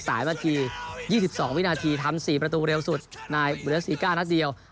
นาที๒๒วินาทีทำ๔ประตูเร็วสุดในบูเดสซีก้านัดเดียว